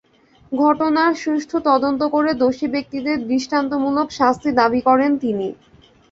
ঘটনার সুষ্ঠু তদন্ত করে দোষী ব্যক্তিদের দৃষ্টান্তমূলক শাস্তি দাবি করেন তিনি।